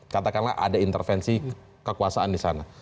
katakanlah ada intervensi kekuasaan di sana